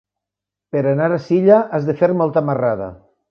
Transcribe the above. Per anar a Silla has de fer molta marrada.